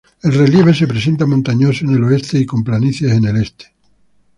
El relieve se presenta montañoso en el oeste y con planicies en el este.